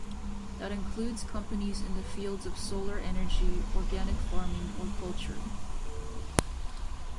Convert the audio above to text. That includes companies in the fields of solar energy, organic farming or culture.